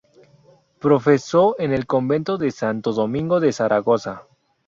Profesó en el convento de Santo Domingo de Zaragoza.